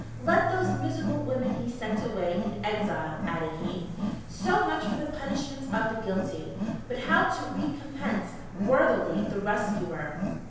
Let those miserable women be sent away in exile," added he. "So much for the punishment of the Guilty; but how to recompense worthily the Rescuer?"